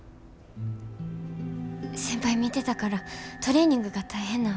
先輩見てたからトレーニングが大変なんは分かってます。